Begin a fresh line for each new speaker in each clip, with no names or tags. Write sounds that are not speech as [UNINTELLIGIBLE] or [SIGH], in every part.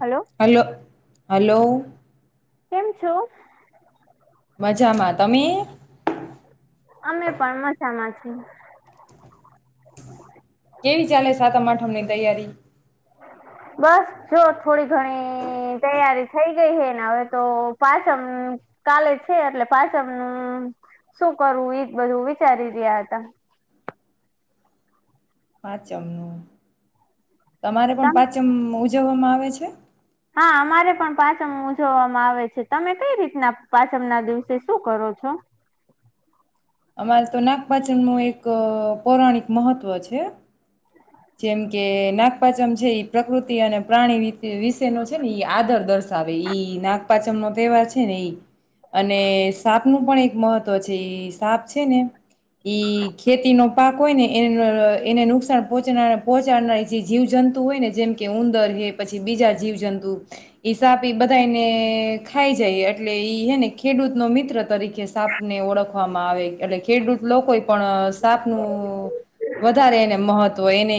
Hello
hello. Hello.
કેમ છો?
મજામાં તમે?
અમે પણ મજામાં છે.
કેવી ચાલે સાતમ આઠમની તૈયારી?
બસ જો થોડી ઘણી તૈયારી થઈ ગઈ હ ને હવે તો પાચમ કાલે છે એટલે પાચમનું શું કરવું એજ બધું વિચારી રહ્યા હતા.
પાંચમનું. તમારે પણ
તમ
પાંચમ જોવામાં આવે છે?
હા અમારે પણ પાચમ ઉજવવામાં આવે છે તમે કઈ રીતના પાચમ ના દિવસે શું કરો છો?
અમારે તો નાગપાચન નું એક પૌરાણિક મહત્ત્વ છે. જેમ કે નાગપાચમ છે એ પ્રકૃતિ અને પ્રાણી વિશે ન છે ને એ આદર દર્શાવે નાગપાચમ નો તહેવાર છે ને એઈ. અને સાત નું પણ એક મહત્વ છે સાપ છે ને, ઈ ખેતી નો પાક હોય ને એ એને નુકસાન પહોચાનાર જે જીવ જંતુ હોય ને જેમ કે ઉંદર હે પછી બીજા જીવ જંતુ, સાપ એ બધાને ખાઈ જાય એટલે ઈ હે ને ખેડૂત ન મિત્ર તરીકે સાપ ને ઓળખવામાં આવે એટલે ખેડૂત લોકો પણ સાપ નું, વધારે એને મહત્વ તો એને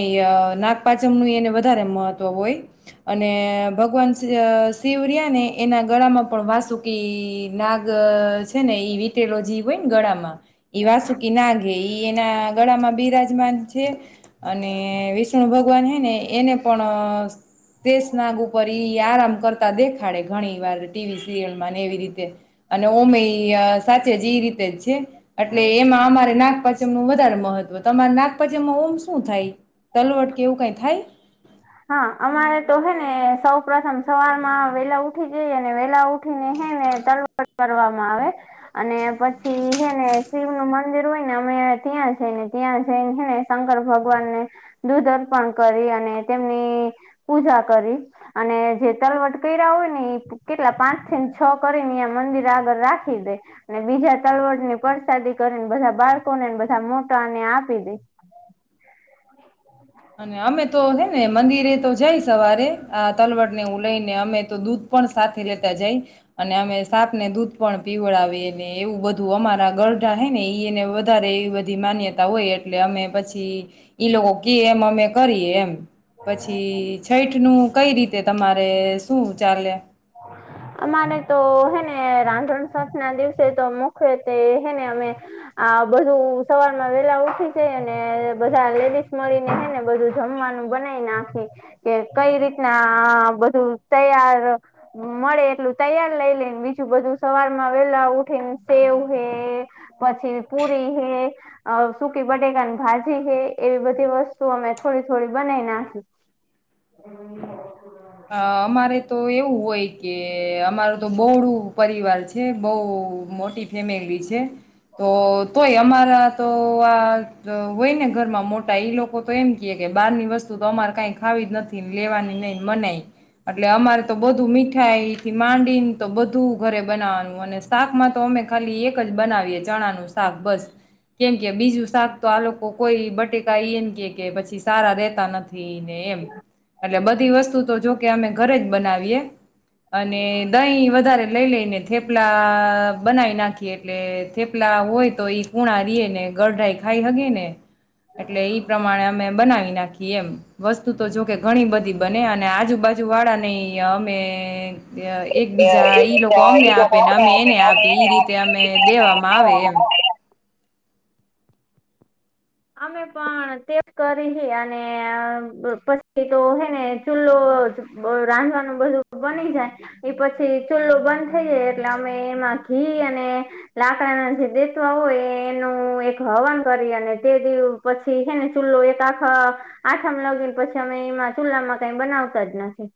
નાગપચમ નું એને વધારે મહત્વ હોય, અને ભગવાન શિવર્યા ને એના ગળામાં પણ વાસુકી નાગ છે ને એ વિટેલોજી હોય ને ગળામાં. વા સુખના ઈ એના ગળામાં બિરાજમાન છે. અને વિષ્ણુ ભગવાન હે ને એને પણ તે સ્નાગ ઉપર ઈ આરામ કરતા દેખાડે ઘણી વાર ટીવી સિરિયલમાં ને એવી રીતે, અને ઓમે સાચે જ એ રીતે જ છે. એટલે એમાં અમારે નાખ મ નું વધારે મહત્વ તમારા નાગપંચમમાં શું થાય, તલવટ કેવું કઈ થાય?
હા અમારે તો હે ને સૌ પ્રથમ સવારમાં વેલા ઉઠી જઈ અને વેલા ઉઠી ને હે ને તલવટ કરવામાં આવે, અને પછી હેને શિવ નું મંદિર હોય ને અમે ત્યાં જઈને ત્યાં જઈને હેને શંકર ભગવાન, ને દૂધ અર્પણ કરી અને તેમની, પૂજા કરી, અને જે તલવટ કર્યા હોય ને એ કેટલા પાંચ થી છ કરીને મંદિર આગળ રાખી દે, અને બીજા તલવટ ની પરસાદી કરીને બધા બાળકોને બધા મોટાને આપી દે.
અને અમે તો હે ને મંદિરે તો જાય સવારે આ તલવટ નેું લઈ ને અમે તો દૂધ પણ સાથે લેતા જાય અને અમે સાાપ ને દૂધ પણ પીવડાવીને એવું બધું અમારા ગરડાા હૈ ને એને વધારે એવી બધી માન્યતા હોય એટલે અમે પછી એ લોકો કે અમે કરીએ એમ પછી છઠ નું કઈ રીતે તમારે શું ચાલે
અમારે તો હેને રાંધણ સઠ ના દિવસે તો મુખવેતે હેને અમે આ બધું સવારમાં વેલા ઉઠી જઈ અને બધા લેડીસ મળીને હેને બધું જમવાનું બનાવી નાખી કે કઈ રીતના બધું તૈયાર મળે એટલું તૈયાર લઈ લેને બીજું બધું સવાર માં વેલા ઉઠીને સેવ હે પછી પુરી હે સુકી બટેકાની ભાજી હે એવી બધી વસ્તુ અમે થોડી થોડી બનાવી નાખી
અ અમારે તો એવું હોય કે અમારું તો બહોળું પરિવાર છે બહ મોટી ફેમિલી છે તો તોય અમારા તો આ હોય ને ઘરમાં મોટા ઈ લોકો તો એમ ક કે બહારની વસ્તુ તો અમારે કઈ ખાવી જ નથી લેવાની નહી મનાય એટલે અમારે તો બધું મીઠાઈથી માંડીને તો બધું ઘરે બનાવવાનું અને શાકમાં તો અમે ખાલી એક જ બનાવીએ ચણા નું શાક બસ કેમ કે બીજું શાક તો આ લોકો કોઈ બટેકા એને કે કે પછી સારા રેતા નથીને એમ એટલે બધી વસ્તુ તો જોકે અમે ઘરે જ બનાવીએ અને દહી વધારે લઈ લઈને થેપલા બનાવી નાખીએ એટલે થેપલા હોય તો ઈ કૂણા રે ને ગઢરાઈ ખાઈ હગે ને એટલે ઈ પ્રમાણે અમે બનાવી નાખી એમ વસ્તુ તો જો કે ઘણી બધી ને અને આજુબાજુ વાળા ન અમે એક બીજા ઈ લોકો અમને આપે ને અમે એને આપી
હવે
રીતે અમે દેવામાં આવે એમ
અમે પણ તેજ કરી અને પછી તો હે ને ચૂલ્લો રાંધવાનું બધું બની જાય એ પછી ચૂલ્લો બંધ થઈ જાય એટલે અમે એમાં ઘી અને લાકડાના જે દેતવા હોય એનું એક હવન કરી અને બે દિવ પછી છે ને ચૂલ્લો એક આખા આઠમ લગેલ પછી અમે એમાં ચૂલ્લામાં કઈ બનાવતા જ નથી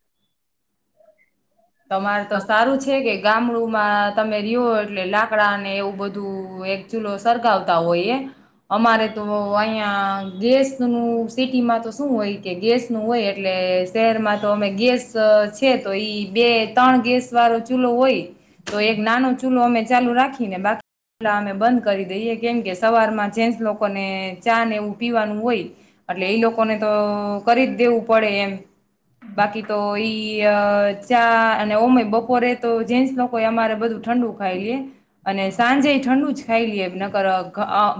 તમારે તો સારું છે કે ગામડું માં તમે રિયો એટલે લાકડાને એવું બધું એક ચૂલો સરગાવતા હોય એ અમારે તો અહિયાં ગેસ નું સિટીમાં તો શું હોય કે ગેસ નું હોય એટલે શહેરમાં તો અમે ગેસ છે તો ઈ બે ત્રણ ગેસ વાળો ચૂલો હોય તો એક નાનો ચૂલો અમે ચાલુ રાખીને બાકી પટલા અમે બંધ કરી દઈએ કેમ કે સવારમાં જેન્ટસ લોકોને ચા ને એવું પીવાનું હોય એટલે એ લોકોને તો કરી જ દેવું પડે એમ બાકી તો ઈ ચા અને ઓમય બપોરે તો જેન્ટસ લોકો અમારે બધું ઠંડુ ખાઈ લએ અને સાંજે ઠંડુ જ ખાઈ લેએ નકર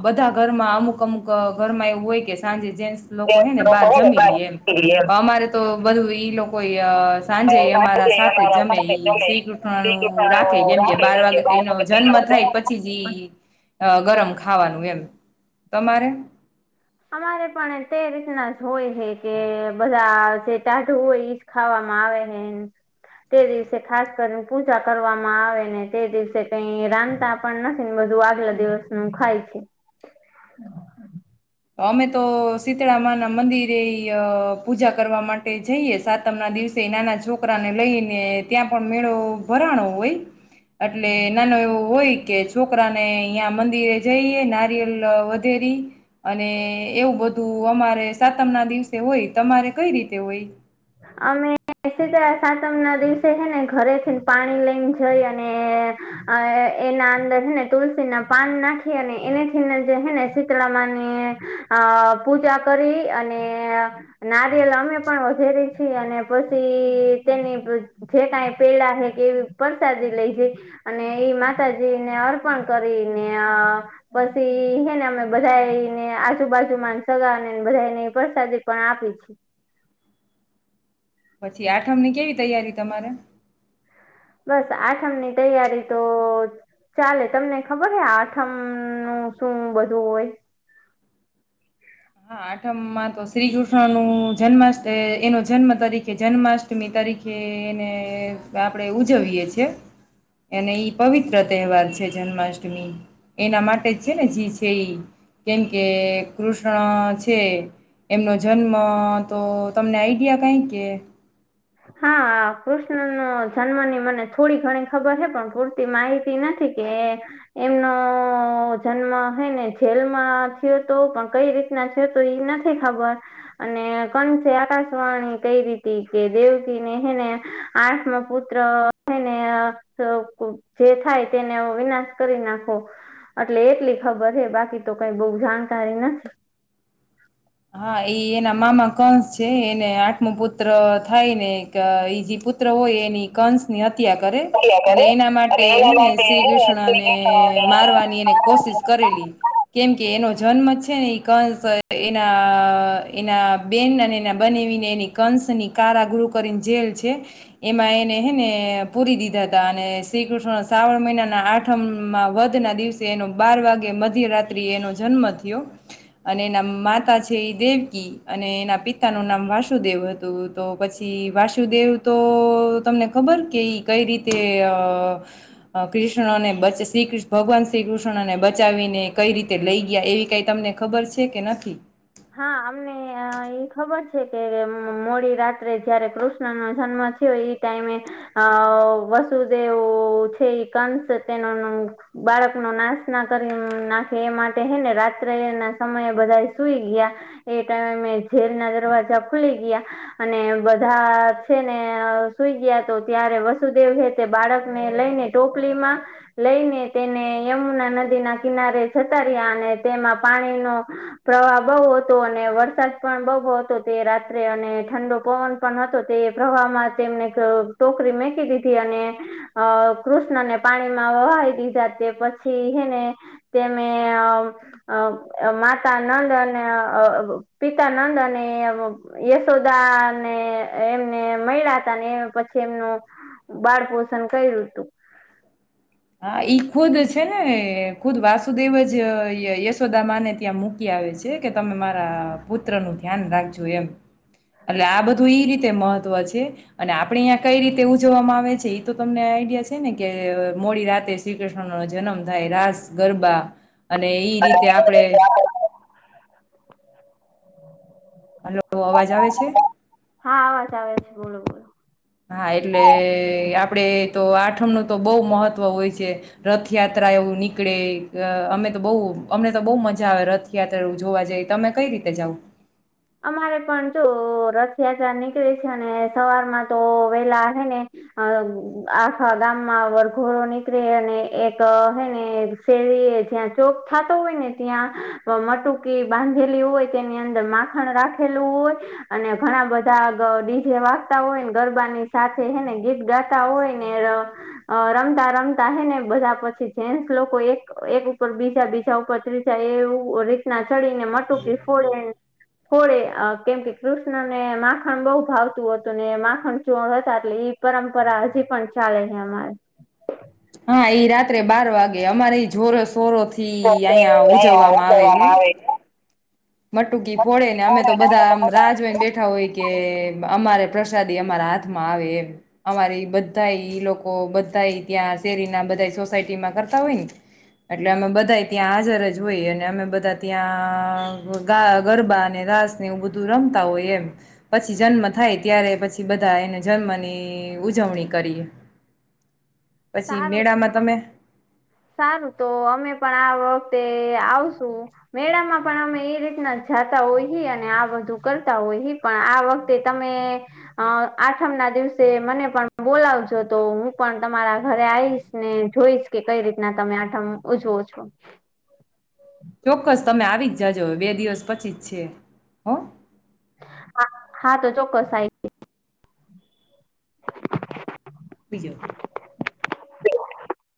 બધા ઘરમાં અમુક અમુક ઘરમાં એવું હોય કે સાંજે જેન્ટ્સ લોકો
ગેસ
હે ને બહાર જમીલિયે એમ
હોય ને
અમારે તો બધું ઈ લોકો એ સાંજે એમ મારા સાથે
અમારા
જમે
સાથે
ઈ શ્રી કૃષ્ણ નુ
જમે
રાખે જેમ કે બાર વાગે એનો જન્મ થાય
રાખે
પછી જ ઈ અ ગરમ ખાવાનું એમ તમારે
અમારે પણ તે રીતના જ હોય છે કે બધા જે ટાઢુ હોય એજ ખાવામાં આવે છે તે દિવસે ખાસ કરીને પૂજા કરવામાં આવે ને તે દિવસે કઈ રાંધતા પણ નથી ને બધું આગલા દિવસનું ખાય છે
અમે તો શીતળામા ના મંદિરે પૂજા કરવા માટે જઈએ સાતમ ના દિવસે નાના છોકરાને લઈને ત્યાં પણ મેળો ભરાણો હોય એટલે એ નાનો એવું હોય કે છોકરાને અહં મંદિરે જઈએ નારિયેલ વધેરી અને એવું બધું અમારે સાતમ ના દિવસે હોય તમારે કઈ રીતે હોય
અમે શીતળા સાતમ ના દિવસે હેને ઘરે થીને પાણી લઈને જઈ અને એના અંદરને તુલસી ના પાન નાખી અને એને થીને જે હેને શીતળામાં ની આ પૂજા કરી અને નારિયેલ અમે પણ વધેરી અને પછી તેની જે કઈ પેડા હે કે એવી પરસાદી લઈ જઈ અને એ માતાજી ને અર્પણ કરીને પછી હેને અમે બધાને આજુબાજુમાં સગા બધાને પ્રસાદી પણ આપી છ
પછી આઠમની કેવી તૈયારી તમારે?
બસ આઠમ ની તૈયારી તો ચાલે તમને ખબર હ આઠમ નું શું બધું હોય?
હા, આઠમમાં તો શ્રી કૃષ્ણ નું જન્માષ્ટ એનો જન્મ તરીકે જન્માષ્ટમી તરીકે એને આપણેે ઉજવીએ છે, અને ઈ પવિત્ર તહેવાર છે જન્માષ્ટમી એના માટે જ છે ને જે છે, કેમકે કૃષ્ણ ક છે એમનો જન્મ તો તમને આઈડિયા કઈ કે?
હા, કૃષ્ણનો જન્મની મને થોડી ઘણી ખબર છે, પણ પૂરતી માહિતી નથી કે એમનો જન્મ છે ને જેલમાં થયો તો પણ કઈ રીતના થયો તો એ નથી ખબર અને કન છે આકાશવાણી કઈ રીતે કે દેવકીને હને આઠમ પુત્રને જે થાય તેને વિનાશ કરી નાખો એટલે એટલી ખબર છે, બાકી તો કઈ બહ જાણકારી નથી
હા, એ એના મામા કંસ છે એને આઠમો પુત્ર થાય ને એ જે પુત્ર હોય એની કંસની હત્યા કરે
કર્યા
એટલે
કરે
એના માટે
અને એના
હેને
માટે
શ્રી
હે ને શ્રી
કૃષ્ણને
કૃષ્ણ અને
મારવાની એને
મહારાજ
કોશિશ કરેલી કેમ કે એનો જન્મ છે, ને એ કંસ એના બેન અને એના બનેવીને એની કંસની કારા ગુરુ કરીને જેલ છે, એમાં એને હેને પૂરી દીધા હતા અને શ્રી કૃષ્ણ શ્રાવણ મહિનાના આઠમમાં વધ ના દિવસે એનો બાર વાગે મધ્યરાત્રી એનો જન્મ થયો, અને એના એ દેવકી અને એના પિતા નું નામ વાસુદેવ હતું તો પછી વાસુદેવ તો તમને ખબર કે કઈ રીતે અ કૃષ્ણને શ્રી ભગવાન શ્રી કૃષ્ણને બચાવીને કઈ રીતે લઈ ગયા એવી કઈ તમને ખબર છે કે નથી?
હા, અમને એ ખબર છે કે મોડી રાત્રે જયારે કૃષ્ણનો જન્મ થયો એ ટાઈમે અ વસુદેવ છે, કંસ તેનો બાળક ન નાશના કરી નાખે એ માટે હ ને રાત્રે ના સમયે બધા સુઈ ટાઈમે જેલના દરવાજા ખુલી ગયા અને બધા છે ને સુઈ ગયા તો ત્યારે વસુદેવ તે બાળકને લઈને ટોપલીમાં લઈને તેને યમુના નદીના કિનારે જતા રહ્યા અને તેમાં પાણીનો પ્રવાહ બહુ હતો, અને વરસાદ પણ બહુ હતો તે રાત્રે અને ઠંડો પવન પણ હતો તે પ્રવાહમાં તેમને ટોકરી મેકી દીધી અને કૃષ્ણને પાણીમાં વહી દીધા, તે પછી એને તેમે માતા નંદ પિતા નંદ અને યશોદા ને એમને મળ્યા હતા, પછી એમનું બાળ પોષણ કર્યું હતું.
હા ઈ ખુદ છે, છે ને ખુદ વાસુદેવ જ યશોદા માને ત્યાં મૂકી આવે છે, કે તમે મારા પુત્ર નું ધ્યાન રાખજો એમ એટલે આ બધું ઈ રીતે મહત્વ છે અને આપણેે અહં કઈ રીતે ઉજવવામાં આવે છે, એ તો તમને આઈડિયા છે ને કે મોડી રાતે શ્રી કૃષ્ણનો જન્મ થાય રાસ ગરબા અને એઈ રીતે આપડે,
[UNINTELLIGIBLE]
હલો અવાજ આવે છે?
હા અવાજ આવે છે બોલો બોલો
હા, એટલે આપડે તો આઠમ નું તો બહુ મહત્વ હોય છે, રથયાત્રા એવું નીકળે અમે તો બહુ અમને તો બહુ મજા આવે રથયાત્રા એવું જોવા જાય તમે કઈ રીતે જાાવ?
અમારે પણ જો રથયાત્રા નીકળે છે, અને સવારમાં તો વેલા હેને આખા ગામમાં વરઘોડો નીકળે અને એક હેને શેરી જ્યાં ચોક થતો હોય, ને ત્યાં મટુકી બાંધેલી હોય તેની અંદર મા માખણ રાખેલું હોય અને ઘણા બધા ડીજે વાગતા હોયને ગરબાની સાથેને ગીત ગાતા હોય, ને રમતા રમતા હને બધા પછી જેસ લોકો એક એક ઉપર બીજા બીજા ઉપર ત્રીજા એવું રીતના ચડીને મટુકી ફોડે ફોડે કેમ કે કૃષ્ણને માખણ બહુ ભાવતું હતું, ને માખણ ચોર હતા એટલે પરંપરા હજી પણ ચાલે છે, અમારે
હા, એઈ રાત્રે બાર વાગે અમારે એ જોરો સોરો થી અહંયા ઉજવવામાં આવે હ મટુકી ફોડે ને અમે તો બધામ રાહા જોઈનેબેઠા હોય કે અમારે પ્રસાદી અમારા હાથમાં આવે એમ અમારી બધા લોકો બધા ત્યાં શેરીના બધા સોસાયટીમાં કરતા હોય ને એટલે અમે બધા ત્યાં હાજર જ હોય, અને અમે બધા ત્યાં ગરબા અને દાસને એવું બધું રમતા હોય, એમ પછી જન્મ થાય ત્યારે પછી બધા એને જન્મની ઉજવણી કરીએ પછી
સારું
મેળામાં તમે?
સારું તો અમે પણ આ વખતે આવશું, મેળામાં પણ અમે એ રીતના જાતા હોય હી અને આ બધું કરતા હોય હી પણ આ વખતે તમે આઠમ ના દિવસે મને પણ બોલાવજો તો હું પણ તમારા ઘરે આવીશ ને જોઈશ કે કઈ રીત ના તમે આઠમ ઉજવો છો.
ચોક્કસ તમે આવી જ જજ બે દિવસ પછી જ છે હો.
હા હા તો ચોક્કસ [INAUDIBLE]
બીજું
[INAUDIBLE]